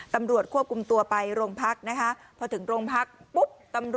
ตำรวจควบคุมตัวไปโรงพักนะคะพอถึงโรงพักปุ๊บตำรวจ